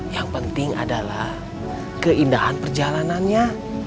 yang penting adalah keindahan perjalanannya